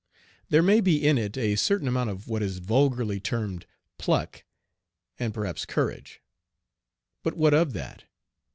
There may be in it a certain amount of what is vulgarly termed pluck, and perhaps courage. But what of that?